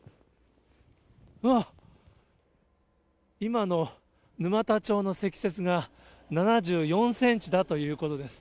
わっ、今の沼田町の積雪が、７４センチだということです。